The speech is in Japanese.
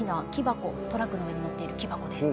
トラックの上に載っている木箱です。